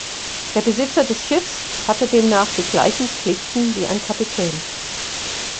Der Besitzer des Schiffs hatte demnach die gleichen Pflichten wie ein Kapitän.